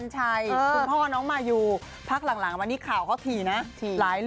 สวัสดีค่ะสวัสดีค่ะ